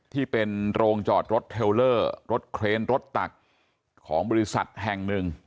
ที่เป็นโรงจอดรถเทลเลอร์รถเครนรถตักของบริษัทแห่งหนึ่ง